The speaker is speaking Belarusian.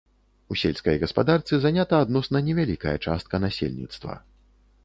У сельскай гаспадарцы занята адносна невялікая частка насельніцтва.